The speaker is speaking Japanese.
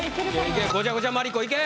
ごちゃごちゃマリコいけ。